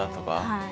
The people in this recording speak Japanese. はい。